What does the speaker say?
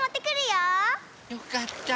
よかった。